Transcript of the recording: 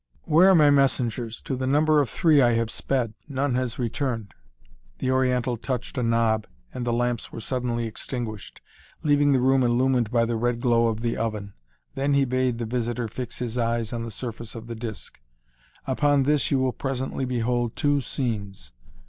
"Where are my messengers? To the number of three have I sped. None has returned." The Oriental touched a knob and the lamps were suddenly extinguished, leaving the room illumined by the red glow of the oven. Then he bade his visitor fix his eyes on the surface of the disk. "Upon this you will presently behold two scenes."